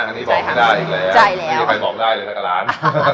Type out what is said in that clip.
อันนี้บอกไม่ได้อีกแล้วใจแล้วไม่ได้ใครบอกได้เลยสักกะล้าน